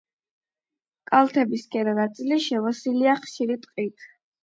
კალთების ქვედა ნაწილი შემოსილია ხშირი ტყით.